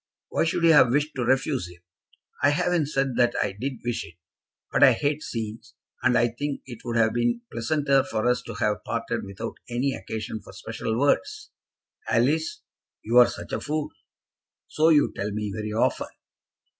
"Why should you have wished to refuse him?" "I haven't said that I did wish it. But I hate scenes, and I think it would have been pleasanter for us to have parted without any occasion for special words." "Alice, you are such a fool!" "So you tell me very often."